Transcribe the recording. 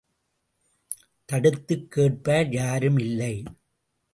தடுத்துக் கேட்பார் யாரும் இல்லை!